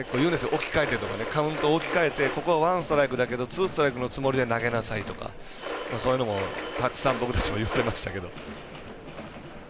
置き換えてとかカウントを置き換えてここはワンストライクだけどツーストライクのつもりで投げなさいとか、そういうのをたくさん僕たちも言われましたけど。